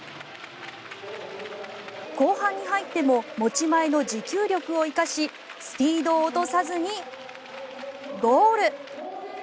後半に入っても持ち前の持久力を生かしスピードを落とさずにゴール。